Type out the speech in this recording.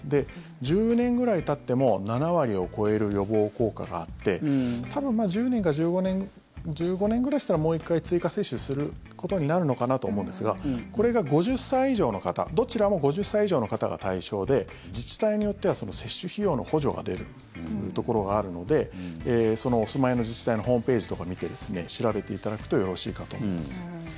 １０年ぐらいたっても７割を超える予防効果があって多分１０年か１５年ぐらいしたらもう１回追加接種することになるのかなと思うんですがこれが５０歳以上の方どちらも５０歳以上の方が対象で自治体によっては接種費用の補助が出るところがあるのでお住まいの自治体のホームページとか見て調べていただくとよろしいかと思います。